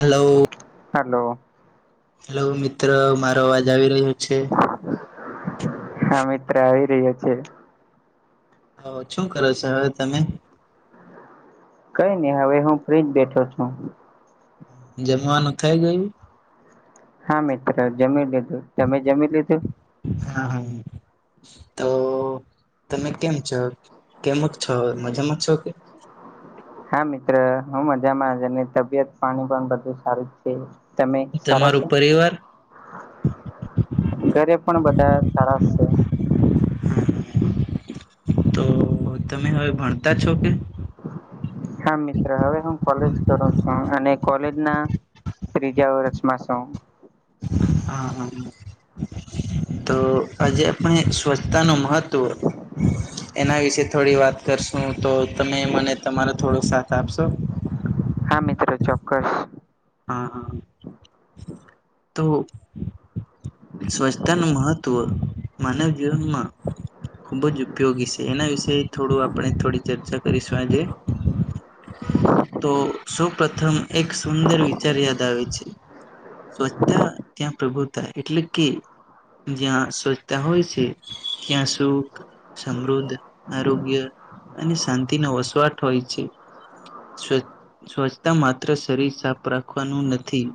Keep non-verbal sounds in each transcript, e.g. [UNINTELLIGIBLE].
Hello, ! Hello, hello મિત્ર મારો અવાજ આવી રહ્યો છે? હા, મિત્ર આવી રહ્યાયો છે. હ શું કરો છો હવે તમે? કઈ નહી હવે હું ફ્રી જ બેઠો છું. જમવાનું થઈ ગયું.? હા, મિત્રો જમી લીધું. તમે જમી લીધું? હા હા તો? તમે કેમ છો? કેમ છો મજામાં છો કે? હા, મિત્ર હું મજામાંજની તબિયત પાણી પણ બધું સારું. તમે સારા તમારું છો? પરિવાર ઘરે પણ બધા સારા છે. તો તમે હવે ભણતા છો કે? હા, મિત્ર હવે હું કોલેજ કરું છું અને કોલેજ ના ત્રીજા વર્ષમાં સૌ. હા હ, તો આજે આપણે સ્વ પોતાનું મહત્વ એના વિશે થોડી વાત કરશું, તો તમે મને તમારા થોડોક સાથ આપશો? હા, મિત્રો ચોક્કસ. હા હા, તો સ્વચ્છતાનું મહત્ત્વ‌. માનવ જીવનમાં ખૂબ જ ઉપયોગી છે, એના વિશે થોડું આપણે થોડી ચર્ચા કરીશું, આજે તો સૌ પ્રથમ એક સુંદર વિચાર યાદ આવે છે. સ્વચ્છતા ત્યાં પ્રભુતા એટલે કે જયા સ્વચ્છતા હોય છે, ત્યાં સુખ. સમૃદ્ધ, આરોગ્ય અને શાંતિનો વસવાટ હોય છે. સ્વ સ્વચ્છતા માત્ર શરીર. રાખવાનું નથી,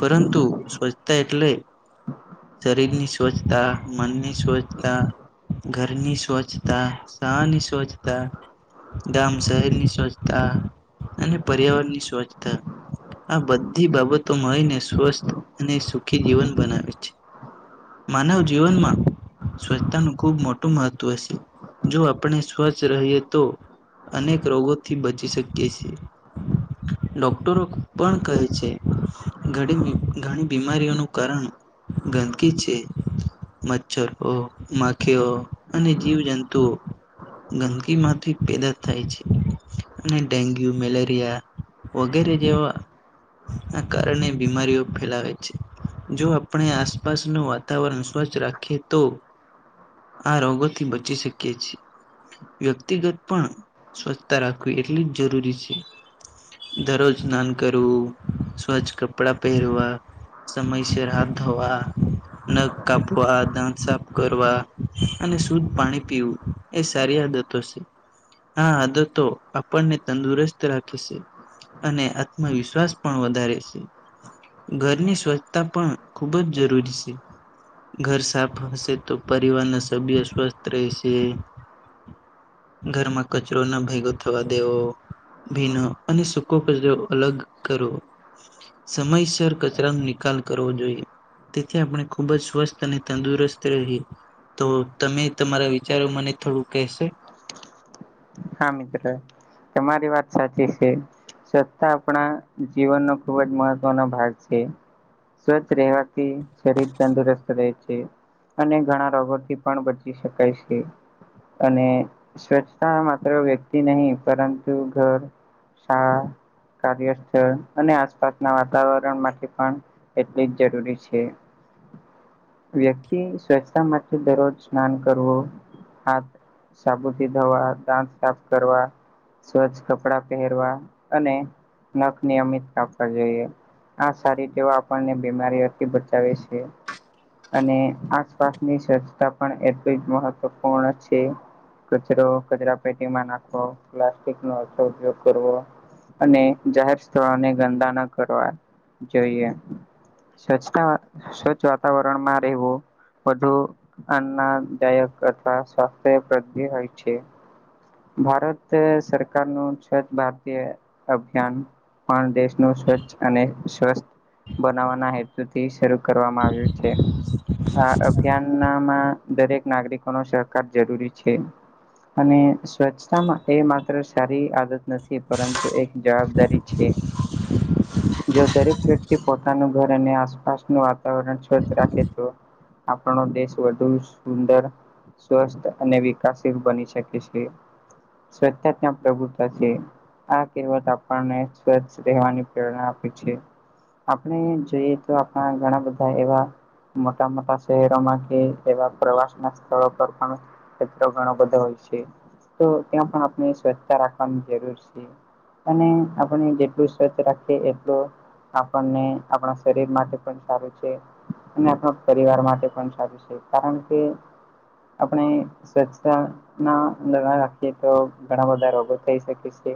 પરંતુ સ્વચ્છતા એટલે શરીરની સ્વચ્છતા, મનની સ્વચ્છતા. ઘરની સ્વચ્છતા, શાળાની સ્વચ્છતા. ગામ શહેરની સ્વચ્છતા અને પર્યાવરણની સ્વચ્છતા. આ બધી બાબતો મળીને સ્વસ્થ અને સુખી જીવન બનાવે છે. માનવ જીવનમાં સ્વચ્છતાનું ખૂબ મોટું મહત્ત્વ હશે. જો આપણે સ્વચ્છ રહીએ તો. અનેક રોગોથી બચી શકીએ છીએ, ડોક્ટરો પણ કહે છે, ઘણી બધી બીમારીઓનું કારણ ગંદકી છે. મચ્છરો, માખીઓ અને જીવજંતુઓ. ગંદકી માંથી પેદા થાય છે અને ડેન્ગ્યુ, મેલેરિયા વગેરે જેવા ના કારણે બીમારીઓ ફેલાવે છે. જો આપણે આસપાસનું વાતાવરણ સ્વચ્છ રાખીએ તો. આ રોગોથી બચી શકીએ છીએ. વ્યક્તિગત પણ સ્વચ્છતા રાખવી એટલી જ જરૂરી છે. દરરોજ સ્નાન કરવું, સ્વચ્છ કપડા પહેરવા. સમય સર હાથ ધોવા. નખ કાપવા, દંત સાફ કરવા અને શુદ્ધ પાણી પીવું. એ સારી આદતો છે. આ આદતો આપણને તંદુરસ્ત રાખે છે. અને આત્મવિશ્વાસ પણ વધારે છે. ઘરની સ્વચ્છતા પણ ખૂબ જ જરૂરી છે. ઘર સાફ હશે, તો પરિવારના સભ્ય સ્વસ્થ રહેશે. ઘરમાં કચરો ના ભેગો થવા દેવો, ભીનો અને સુકો કચરો અલગ કરો. સમયસર કચરા નો નિકાલ કરવો જોઈએ. તેથી આપણે ખુબ જ સ્વસ્થ અને તંદુરસ્ત રહીએ. તો તમે તમારા વિચારો મને થોડું કહેશો? હા મિત્રો તમારી વાત સાચી છે. સ્વચ્છતા આપણા જીવનનો ખુબ જ મહત્વનો ભાગ છે. સ્વચ્છ રહેવાથી શરીર તંદુરસ્ત રહે છે. અને ઘણા રોગોથી પણ બચી શકાય છે. અને સ્વચ્છતા- વ્યક્તિ નહીં, પરંતુ ઘર, શાળા કાર્યસ્થળ અને આસપાસના વાતાવરણ માટે પણ એટલી જ જરૂરી છે. વ્યક્તિ સ્વચ્છતા માટે દરરોજ સ્નાન કરવું, હાથ સાબુથી ધોવા, દાંત સાફ કરવા. સ્વચ્છ કપડાં પહેરવા અને નખ નિયમિત કાપવા જોઈએ. આ સારી તેવા આપણને બીમારીઓથી બચાવે છે. અને આસપાસની સ્વચ્છતા પણ એટલ જ મહત્વપૂર્ણ છે. કચરો કચરા પેટીમાં નાખવો પ્લાસ્ટિક નો ઓછો ઉપયોગ કરવો. અને જાહેર સ્થળોને ગંદા ન કરવા જોઈએ. સ્વચ્છતા સ્વચ્છ વાતાવરણ માં રહેવું. વધુ આનદાયક અથવા સ્વાસ્થ્યવર્ધિ હોય છે. ભારત સરકાર નું સ્વચ્છ ભારતીય અભિયાન પણ દેશનું સ્વચ્છ અને સ્વસ્થ બનાવવાના હેતુથી શરૂ કરવામાં આવ્યુ. છે આ અભિયાનમાં દરેક નાગરિકો નો સહકાર જરૂરી છે. અને સ્વચ્છતામાં એ માત્ર સારી આદત નથી પરંતુ એક જવાબદારી છે. [UNINTELLIGIBLE] [INAUDIBLE] જો દરેક વ્યક્તિ પોતાનું ઘર અને આસપાસનું વાતાવરણ રાખે તો આપણો દેશ વધુ સુંદર. સ્વસ્થ અને વિકાસશીલ બની શકે છે સ્વચ્છતા ત્યાં પ્રભુત્તા છે. આ કહેવત આપણને સ્વચછ રહેવાની પ્રેરણા આપે છે. આપણે જોઈએ તો આપણા ઘણા બધા એવા- મોટા મોટા શહેરોમાં કે એવા પ્રવાસ ના સ્થળો પર પણ ઘણો બધો હોય છે તો ત્યાં પણ આપણે સ્વચ્છતા રાખવાની જરૂર છે. અને આપણે જેટલું સ્વચછ રાખીએ એટલું- આપણને આપણા શરીર માટે પણ સારું છે. અને આપણા પરિવાર માટે પણ સારું છે કારણ કે- આપણી સ્વચ્છતા- ના અંદર ના રાખીએ તો ઘણા બધા રોગો થઈ શકે છે.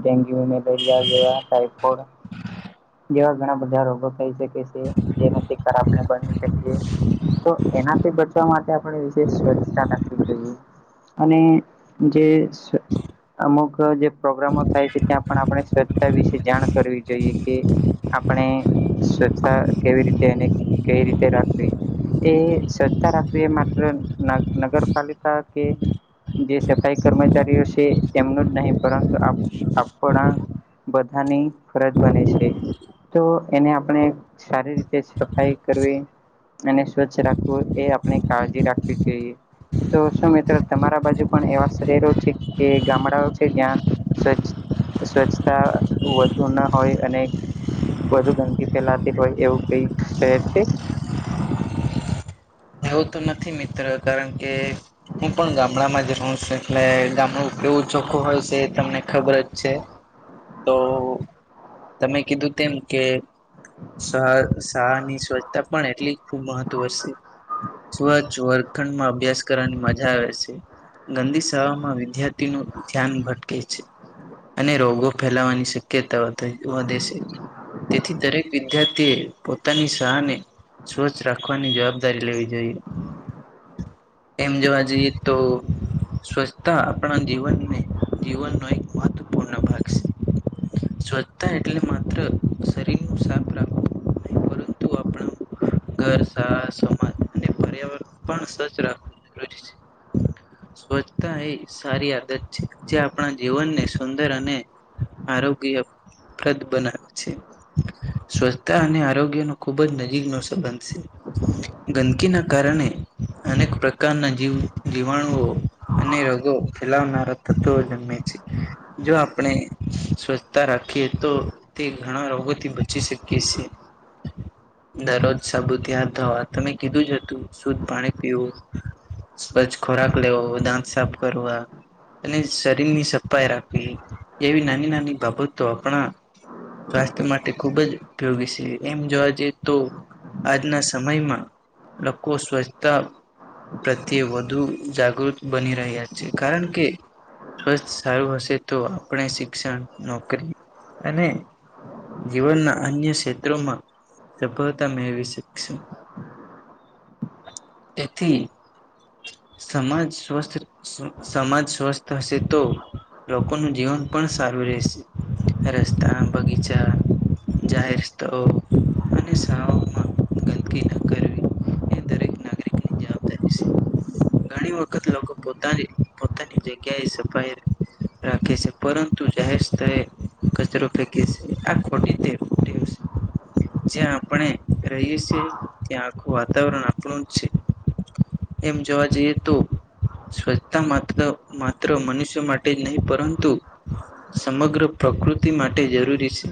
ડેન્ગ્યુ મેલેરિયા જેવા ટાઈફોઈડ. જેવા ઘણા બધા રોગો થઈ શકે છે. શખર આપણે બની શકીએ. તો એનાથી બચવા માટે આપણે વિશેષ સ્વચ્છતા રાખવી જોઈએ. અને જે સ્વછતા - અમુક જે પ્રોગ્રામો થાય છે ત્યાં પણ આપણે સ્વચ્છતા વિશે જાણ કરવી જોઈએ કે આપણે સ્વચ્છ કેવી રીતે કેવી રીતે રાખવી એ સ્વચ્છતા રાખવી માટેત્ર નગરપાલિકા કે- જે સફાઈ કર્મચારીઓ છે એમનું જ નહીં પરંતુ આપણા બધાની ફરજ બને છે તો એને આપણે સારી રીતે. સફાઈ કરવી અને સ્વચ્છ રાખવું એ આપણે કાળજી રાખવી જોઈએ. તો શું મિત્ર તમારા બાજુ પણ એવા શહેરો છે કે ગામડાઓ છે જ્યાં- સ્વચ્ સ્વચ્છતા વધુ ના હોય અને- વધુ ગંદકી ફેલાતી હોય એવું કઈ શહેર છે. એવું તો નથી મિત્ર કારણ કે- હું પણ ગામડામાં જ રહ છું એટલે ગામડું કેવું ચોખ્ખું હોય છે એ તમને ખબર જ છે. તો તમે કીધું તેમ કે- [UNINTELLIGIBLE] ની સ્વચ્છતા પણ એટલી ખુબ મહત્વ સે. [INAUDIBLE] સ્વચ્છ વર્ખંડ માં અભ્યાસ કરવાની મજા આવે છે. ગંદી શાળામાં વિદ્યાર્થી ન ધ્યાન ભટકે છે. અને રોગો ફેલાવાની શક્યતા વધે છે. તેથી દરેક વિદ્યાર્થી એ પોતાની શાળા ને સ્વચ્છ રાખવાની જવાબદારી લેવી જોઈએ. એમ જોવા જઈએ તો સ્વચ્છતા આપણા જીવનને જીવનનો એક મહત્વપૂર્ણ ભાગ સે. સ્વચ્છતા એટલે માત્ર શરીર નું સાફ રાખવું નહીં પરંતુ આપણું ઘર [UNINTELLIGIBLE] પર્યાવરણ પણ સ્વચ્છ રાખવું [INAUDIBLE] સ્વચ્છતા એ સારી આદત છે. જે આપણા જીવનને સુંદર અને આરોગ્યપ્રદ બનાવે છે સ્વચતા અને આરોગ્યનો ખૂબ જ નજીકનો સંબંધ સે ગંદકીના કારને અનેક પ્રકારના જીવ જીવાણુઓ અને રગો ફેલાવનારા તત્વો જન્મે છે. જો આપણે સ્વચ્છતા રાખીએ તો તે ઘણા રોગોથી બચી શકીએ સે દરરોજ સાબુથી હાથ ધવા તમે કીધું જ હ તુ શુદ્ધ પાણી પીવું, સ્વચ્છ ખોરાક લેવો, દાંત સાફ કરવા અને શરીરની સફાાઈ રાખવી એવી નાની નાની બાબતો આપણા સ્વાસ્થ્ય માટે ખુબ જ ઉપયોગી છે એમ જોવા જઈએ તો આજના સમયમાં લકો સ્વચ્છતા પ્રત્યે વધુ જાગૃત બની રહ્યા છે કારણ કે સ્વસ્થ સારું હશે તો આપણે શિક્ષણ નોકરી અને જીવનના અન્ય સેત્રોમાં સફળતા મેળવી શકશુ તેથી સમાજ સ્વસ્થ સ સમાજ સ્વસ્થ હશે તો લોકોનું જીવન પણ સારું રહેશે રસ્તાના બગીચા જાહેર સ્તઓ અને સાવમાં ગંદકીના [UNINTELLIGIBLE] [UNINTELLIGIBLE] ઘણી વખત લોકો પોતાની પોતાની જગ્યાએ સફાઈ રાખે સે પરંતુ જાહેર સ્તરએ કચરો ફેંકીસ આ ખોટી ટેવ ટેવ સે જ્યાં આપણે રહીએ સે ત્યાં આખું વાતાવરણ આપણું જ છે એમ જોવા જઈએ તો સ્વચ્છતા માત્ર-માત્ર મનુષ્ય માટે જ નહીં પરંતુ સમગ્ર પ્રકૃતિ માટે જરૂરી છે.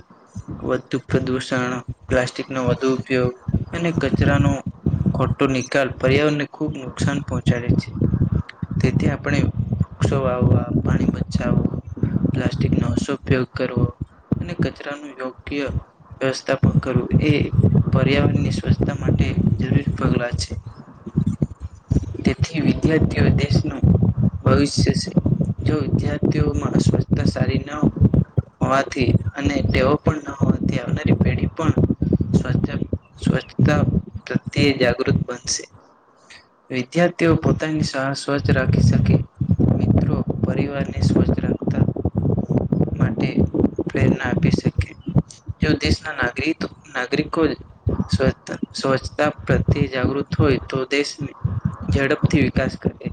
વધતું પ્રદુષણ, પ્લાસ્ટિક નો વધુ ઉપયોગ અને કચરાનો ખોટો નિકાલ પર્યાવરણને ખુબ નુકસાન પહોંચાડે છે. તેથી આપણે વૃક્ષો વાવવા, પાણી બચાવ પ્લાસ્ટિકનો ઓસો ઉપયોગ કરવો, અને કચરા નું યોગ્ય વ્યવસ્થાપન કરવું એ પર્યાવરણની સ્વચ્છતા માટે જરૂરી પગલા છે. તેથી વિદ્યાર્થીઓ દેશનું ભવિષ્ય સી જો વિદ્યાર્થીઓમાં અવસ્થતા સારી ના હો હોવાથી અને ટેવો પણ ના હોવાથી આવનારી પેઢી પણ સ્વચ્છ સ્વચ્છતા પ્રત્યે જાગૃત બનશે. વિદ્યાર્થીઓ પોતાની શાળા સ્વચ્છ રાખી શકે મિ ત્રો પરિવારને સ્વચ્છ રાખતાં માટે પ્રેરણા આપી શકીએ. જો દેશના નાગરિતો નાગરિકો સ્વચ્છતા, સ્વચ્છતા પ્રત્યે જાગૃત હોય તો દેશને ઝડપથી વિકાસ કરે.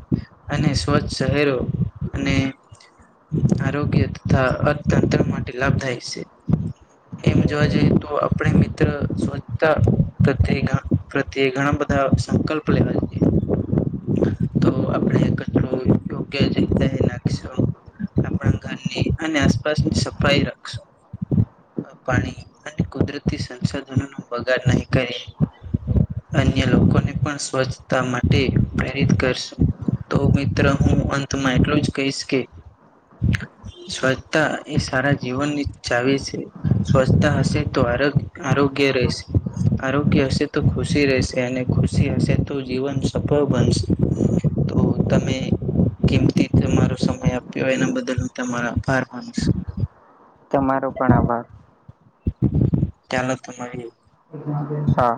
અને સ્વચ્છ શહેરો અને આરોગ્ય તથા અર્થતંત્ર માટે લાભદાયક છે. એમ જોવા જઈએ તો આપણે મિત્ર સ્વચ્છતા પ્રત્યેના પ્રત્યે ઘણા બધા સંકલ્પ લેવા જોઈએ. તો તો આપણે કચરો યોગ્ય જગ્યાએ નાખશું. આપણા ઘરની અને આસપાસની સફાઈ રાખશું. પાણી અને કુદરતી સંસાધનોનું બગાડ નહીં કરીએ. અન્ય લોકોને પણ સ્વચ્છતા માટે પ્રેરિત કરશું. તો મિત્ર હું અંતમાં એટલું જ કહીશ કે સ્વચ્છતા એ સારા જીવનની ચાવી છે, સ્વચ્છતા હશે તો આરોગ્ આરોગ્ય રહેશે, આરોગ્ય હશે તો ખુશી રહેશે અને ખુ શી હશે તો જીવન સફળ બનશે તો તમે કિમતી તમારો સમય આ પ્યો એના બદલ હું તમારા આભાર માનું છું. તમારો પણ આભાર. ચાલ તો મળીએે. હા.